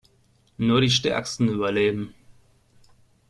Nur die Stärksten überleben.